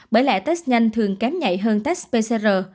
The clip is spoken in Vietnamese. bởi lẽ test nhanh thường kém nhạy hơn test pcr